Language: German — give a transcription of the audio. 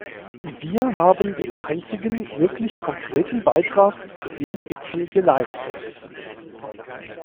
Wir haben den einzigen wirklich konkreten Beitrag zu diesem Gipfel geleistet.